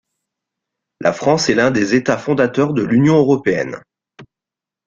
La France est l'un des États fondateurs de l'Union européenne.